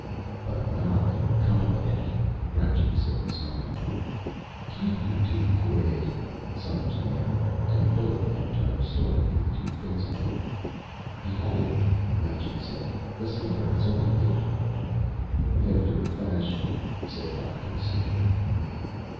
"But not incompetent," Rajcik said, smiling. "Can't you two quit it?" Somers demanded, and both men turned startedly to face him. "Behold!" Rajcik said. "The sleeper has awakened." "After a fashion," said Watkins, snickering.